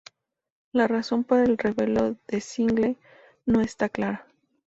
La razón para el relevo de Sigel no está clara.